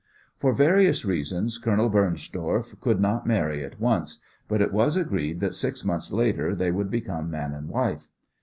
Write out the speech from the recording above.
For various reasons Colonel Bernstorff could not marry at once, but it was agreed that six months later they should become man and wife.